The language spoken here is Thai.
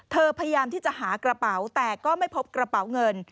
พยายามที่จะหากระเป๋าแต่ก็ไม่พบกระเป๋าเงิน